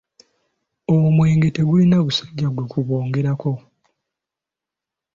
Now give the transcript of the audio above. Omwenge tegulina busajja gwebukwongerako!